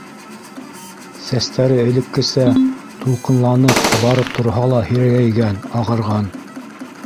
Сәстәре элеккесә тулҡынланып-ҡабарып торһа ла һирәгәйгән, ағарған.